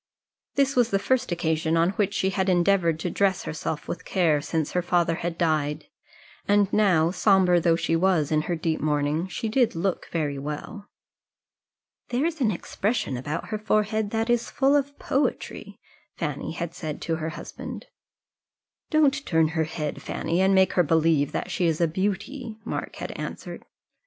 This was the first occasion on which she had endeavoured to dress herself with care since her father had died; and now, sombre though she was in her deep mourning, she did look very well. "There is an expression about her forehead that is full of poetry," Fanny had said to her husband. "Don't you turn her head, Fanny, and make her believe that she is a beauty," Mark had answered.